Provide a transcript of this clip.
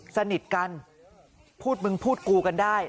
สนิทกันพูดมึงพูดกูกันได้